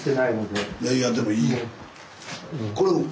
いやいやでもいいよ。